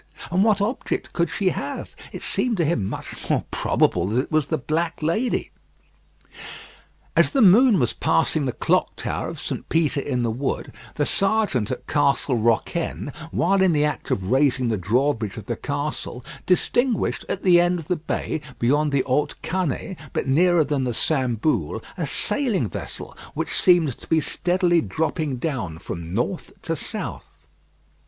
And what object could she have? It seemed to him much more probable that it was the Black Lady. As the moon was passing the clock tower of St. Peter in the Wood, the serjeant at Castle Rocquaine, while in the act of raising the drawbridge of the castle, distinguished at the end of the bay beyond the Haute Canée, but nearer than the Sambule, a sailing vessel which seemed to be steadily dropping down from north to south.